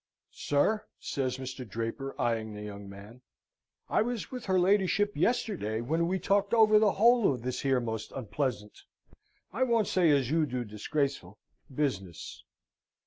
"Sir," says Mr. Draper, eyeing the young man, "I was with her ladyship yesterday, when we talked over the whole of this here most unpleasant I won't say as you do, disgraceful business."